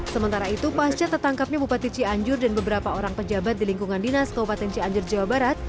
sementara itu pasca tertangkapnya bupati cianjur dan beberapa orang pejabat di lingkungan dinas kabupaten cianjur jawa barat